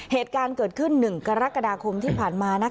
เหตุการณ์เกิดขึ้น๑กรกฎาคมที่ผ่านมา